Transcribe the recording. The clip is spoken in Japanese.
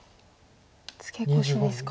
ツケコシですか。